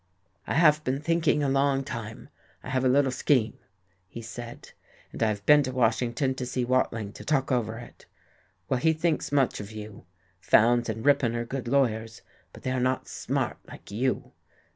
"I have been thinking a long time, I have a little scheme," he said, "and I have been to Washington to see Watling, to talk over it. Well, he thinks much of you. Fowndes and Ripon are good lawyers, but they are not smart like you.